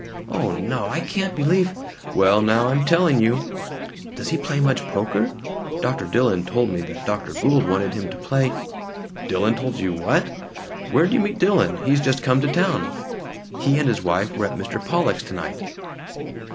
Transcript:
"Oh no. I can't believe " "Well now, I'm telling you!" "Does he play much poker? Dr. Dillon told me that Dr. Gould wanted him to play " "Dillon told you what? Where'd you meet Dillon? He's just come to town." "He and his wife were at Mr. Pollock's tonight."